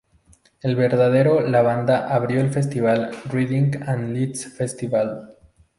En el verano la banda abrió el festival Reading and Leeds Festivals.